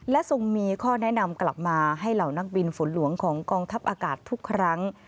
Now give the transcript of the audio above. และทรงมีข้อแนะนำกลับมาให้เหล่านักบินฝนหลวงของกองทัพอากาศทุกครั้ง